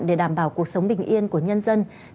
để đảm bảo cuộc sống bình yên của nhân dân